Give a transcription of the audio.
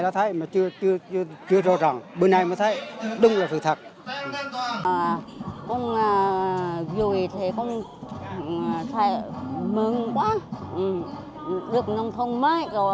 thầy cũng mừng quá được nông thôn mới